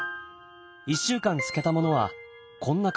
１週間漬けたものはこんな感じです。